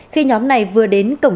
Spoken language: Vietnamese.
khi nhóm này vừa đến cổng trường